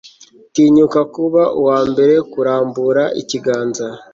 tinyuka kuba uwambere kurambura ikiganza